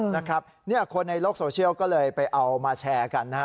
นะครับคนในโลกโซเชียลก็เลยไปเอามาแชร์กันนะฮะ